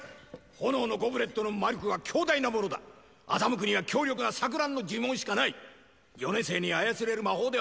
炎のゴブレットの魔力は強大なものだ欺くには強力な錯乱の呪文しかない４年生に操れる魔法ではない！